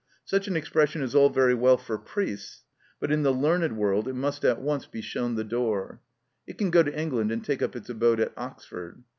Such an expression is all very well for priests, but in the learned world it must at once be shown the door: it can go to England and take up its abode at Oxford.